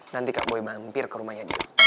nanti kak boy mampir ke rumahnya dio